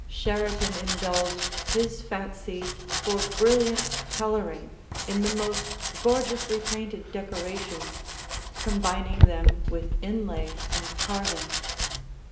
Sheraton indulged his fancy for brilliant coloring in the most gorgeously painted decorations, combining them with inlay and carving.